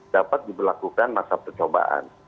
dapat diberlakukan masa percobaan